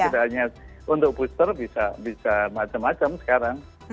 jadi sebenarnya untuk booster bisa macam macam sekarang